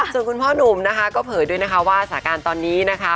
ส่วนคุณพ่อนุ่มก็เผยด้วยว่าสาการตอนนี้นะคะ